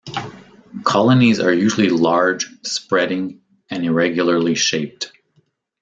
Colonies are usually large, spreading, and irregularly shaped.